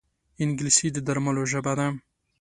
انګلیسي د درملو ژبه ده